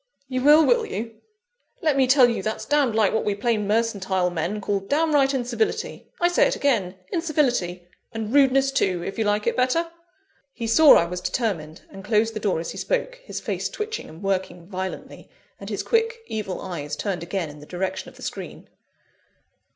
"You will, will you? Let me tell you that's damned like what we plain mercantile men call downright incivility. I say it again incivility; and rudeness too, if you like it better." He saw I was determined, and closed the door as he spoke, his face twitching and working violently, and his quick, evil eyes turned again in the direction of the screen.